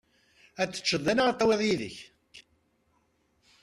Ad teččeḍ da neɣ ad tawiḍ yid-k?